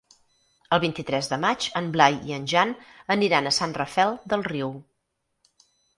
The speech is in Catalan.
El vint-i-tres de maig en Blai i en Jan aniran a Sant Rafel del Riu.